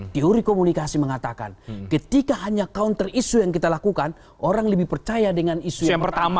teori komunikasi mengatakan ketika hanya counter isu yang kita lakukan orang lebih percaya dengan isu yang pertama